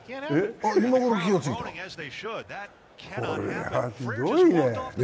これ、ひどいね。